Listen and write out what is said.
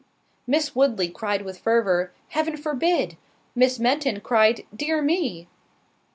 Miss Woodley cried with fervour, "Heaven forbid!" Miss Fenton cried, "dear me!"